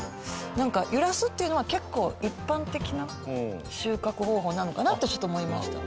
なんか揺らすっていうのは結構一般的な収穫方法なのかなとちょっと思いました。